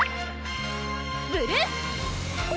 ブルー！